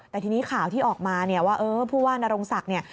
แต่ทีนี้ข่าวที่ออกมาว่าผู้ว่านารงศักดิ์